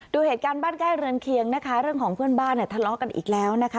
ดูเหตุการณ์บ้านใกล้เรือนเคียงนะคะเรื่องของเพื่อนบ้านเนี่ยทะเลาะกันอีกแล้วนะคะ